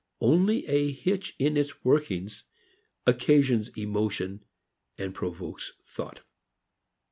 Only a hitch in its workings occasions emotion and provokes thought.